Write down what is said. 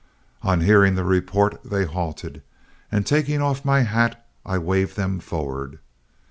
On hearing the report, they halted, and taking off my hat I waved them forward.